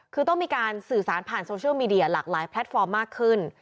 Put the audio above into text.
คือต้องมีการสื่อสารผ่านโซเชียลมีเดียหลากหลายแพลตฟอร์มมากขึ้น